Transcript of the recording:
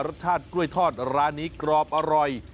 รสชาติกล้วยทอดร้านนี้กรอบอร่อย